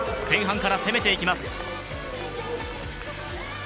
前半から攻めていきます。